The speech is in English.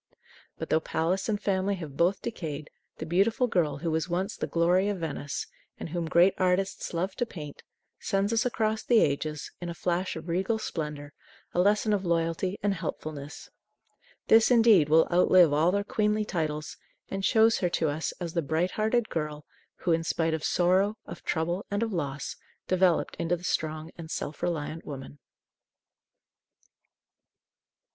But, though palace and family have both decayed, the beautiful girl who was once the glory of Venice and whom great artists loved to paint, sends us across the ages, in a flash of regal splendor, a lesson of loyalty and helpfulness. This, indeed, will outlive all their queenly titles, and shows her to us as the bright hearted girl who, in spite of sorrow, of trouble, and of loss, developed into the strong and self reliant woman.